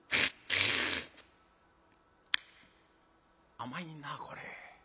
「甘いなこれ。